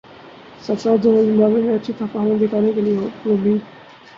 سرفرازدورہ Zimbabwe میں اچھی performance دکھانے کیلئے پر امید